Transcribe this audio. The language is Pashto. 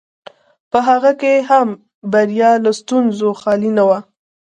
په هغه کې هم بریا له ستونزو خالي نه ده.